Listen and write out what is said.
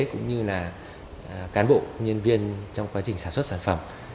cũng như là cán bộ nhân viên trong quá trình sản xuất sản phẩm